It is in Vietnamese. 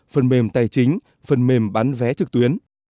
phần mềm tài chính phần mềm bán vé trực tuyến